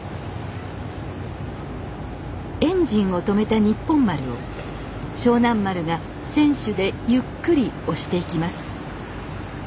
エンジンを止めたにっぽん丸を勝南丸が船首でゆっくり押していきます